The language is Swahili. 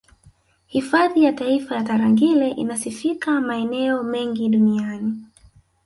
Hifadhi ya taifa ya Tarangire inasifika maeneo mengi Duniani